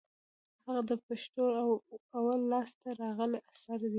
هغه د پښتو اول لاس ته راغلى اثر دئ.